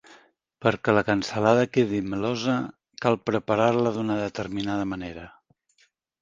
Perquè la cansalada quedi melosa, cal preparar-la d'una determinada manera.